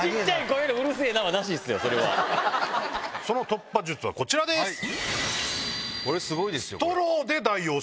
その突破術はこちらです。